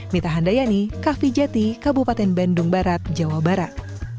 mita handayani kak fijati kabupaten bandung barat jawa barat